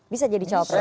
bisa jadi cowok presiden